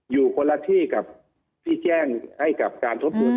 อยู่คนละที่กับที่แจ้งให้กับการทบทวน